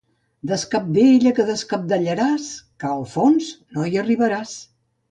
Descabdella que descabdellaràs, que al fons no hi arribaràs.